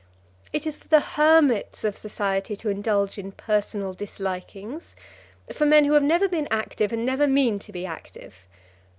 It is for the hermits of society to indulge in personal dislikings, for men who have never been active and never mean to be active.